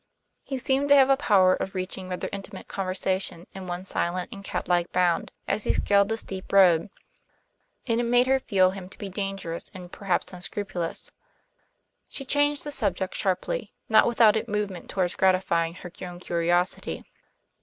He seemed to have a power of reaching rather intimate conversation in one silent and cat like bound, as he had scaled the steep road, and it made her feel him to be dangerous, and perhaps unscrupulous. She changed the subject sharply, not without it movement toward gratifying her own curiosity.